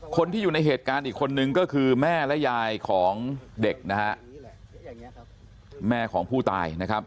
คนที่อยู่ในเหตุการณ์อีกคนนึงก็คือแม่และยายของเด็กนะฮะแม่ของผู้ตายนะครับ